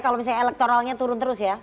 kalau misalnya elektoralnya turun terus ya